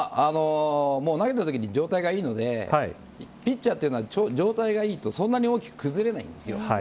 投げたときに状態がいいのでピッチャーというのは状態がいいとそんなに大きく崩れないんですよ。